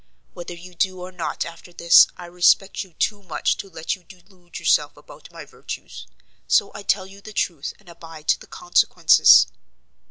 Whether you do or not after this, I respect you too much to let you delude yourself about my virtues, so I tell you the truth and abide the consequences."